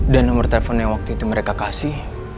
dan nomor telepon yang waktu itu mereka kasih